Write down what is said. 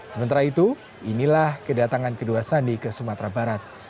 sementara itu inilah kedatangan kedua sandi ke sumatera barat